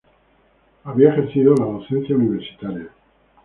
Había ejercido la docencia universitaria.